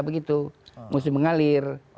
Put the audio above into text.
begitu mesti mengalir